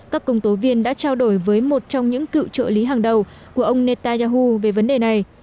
các công tố viên đã trao đổi với một trong những cựu trợ lý hàng đầu của ông netanyahu về vấn đề này